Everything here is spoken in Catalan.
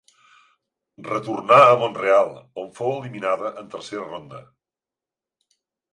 Retornà a Mont-real, on fou eliminada en tercera ronda.